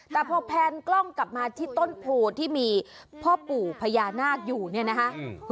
แต่พอแพนกล้องกลับมาที่ต้นโพที่มีพ่อปู่พญานาคอยู่เนี่ยนะคะ